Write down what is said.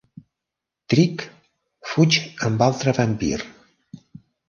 Trick fuig amb altre vampir.